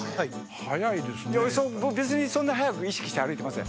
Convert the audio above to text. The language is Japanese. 別にそんな速く意識して歩いてません。